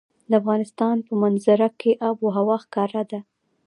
د افغانستان په منظره کې آب وهوا ښکاره ده.